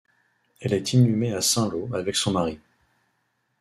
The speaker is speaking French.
Elle est inhumée à Saint-Lô avec son mari.